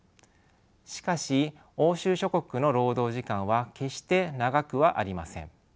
しかし欧州諸国の労働時間は決して長くはありません。